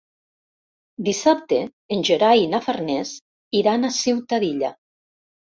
Dissabte en Gerai i na Farners iran a Ciutadilla.